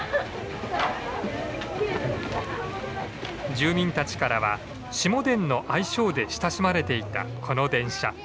住民たちからは「しもでん」の愛称で親しまれていたこの電車。